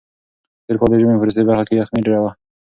تېر کال د ژمي په وروستۍ برخه کې یخنۍ ډېره وه.